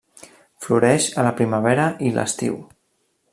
Floreix a la primavera i l’estiu.